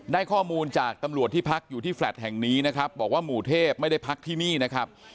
ได้ข้อมูลจากตำรวจที่พักอยู่ที่แฟลต์แห่งนี้นะครับบอกว่าหมู่เทพไม่ได้พักที่นี่นะครับ